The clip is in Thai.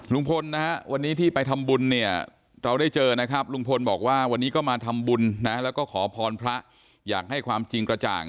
ลุงพลนะฮะวันนี้ที่ไปทำบุญเนี่ยเราได้เจอนะครับลุงพลบอกว่าวันนี้ก็มาทำบุญนะแล้วก็ขอพรพระอยากให้ความจริงกระจ่าง